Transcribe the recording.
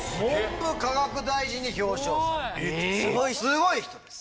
すごい人です！